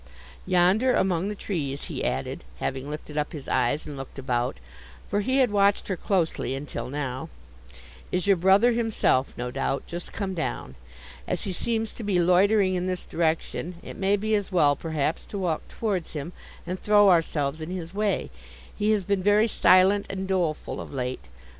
Yonder, among the trees,' he added, having lifted up his eyes and looked about; for he had watched her closely until now; 'is your brother himself; no doubt, just come down. As he seems to be loitering in this direction, it may be as well, perhaps, to walk towards him, and throw ourselves in his way. He has been very silent and doleful of late.